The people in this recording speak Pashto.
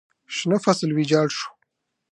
شنه فصل ویجاړ شو.